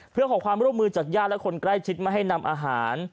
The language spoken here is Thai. เพื่อขอความร่วมมือจากญาติและคนใกล้ชิดมาให้นำอาหาร